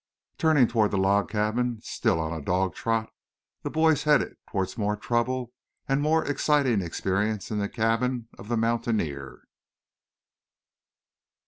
Turning toward the log cabin, still on a dog trot, the boys headed towards more trouble and a most exciting experience in the cabin of the mountaineer.